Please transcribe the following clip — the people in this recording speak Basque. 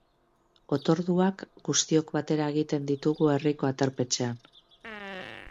Otorduak guztiok batera egiten ditugu, herriko aterpetxean.